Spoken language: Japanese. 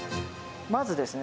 まずですね